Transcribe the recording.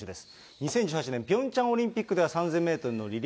２０１８年、ピョンチャンオリンピックで３０００メートルのリレ